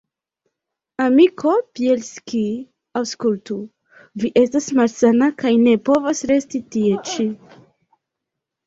Amiko Bjelski, aŭskultu: vi estas malsana kaj ne povas resti tie ĉi.